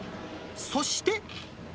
そして。